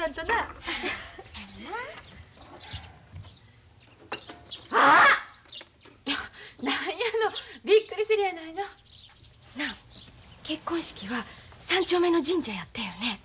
なあ結婚式は３丁目の神社やったよね。